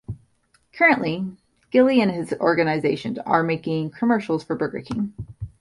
Currently Gilley and his organisation are making commercials for Burger King.